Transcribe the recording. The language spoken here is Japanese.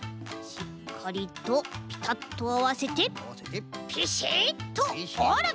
しっかりとピタッとあわせてピシッとおる！